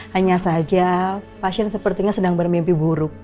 hanya saja pasien sepertinya sedang bermimpi buruk